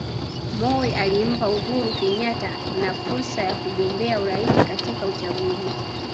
Moi alimpa Uhuru Kenyatta na fursa ya kugombea urais katika uchaguzi